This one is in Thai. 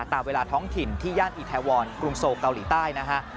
ตามเวลาท้องถิ่นที่ย่านอิทธิวอร์นกรุงโซเกาหลีใต้